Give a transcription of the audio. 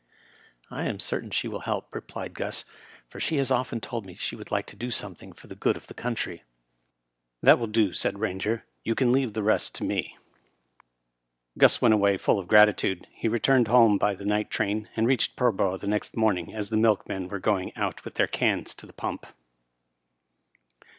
" I am certain she will help," replied Gus, " for she has often told me she would like to do something for the good of the country." "That will do," said Eainger; "you can leave the rest to me." 8 Digitized by VjOOQIC 170 RILET, M.F. QxiB went away full of gratitude. He returned home by the night tram, and reached Pullborough the next morning as the milkmen were going out with their cans to the pump.